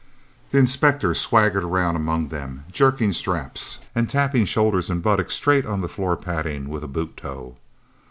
The inspector swaggered around among them, jerking straps, and tapping shoulders and buttocks straight on the floor padding with a boot toe.